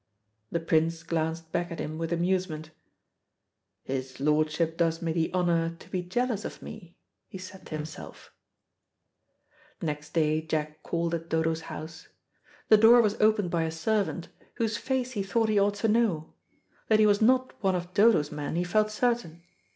The Prince glanced back at him with amusement. "His lordship does me the honour to be jealous of me," he said to himself. Next day Jack called at Dodo's house. The door was opened by a servant, whose face he thought he ought to know; that he was not one of Dodo's men he felt certain.